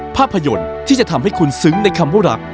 ภาพยนตร์ที่จะทำให้คุณซึ้งในคำว่ารัก